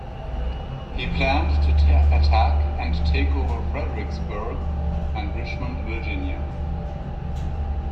He planned to attack and take over Fredericksburg and Richmond, Virginia.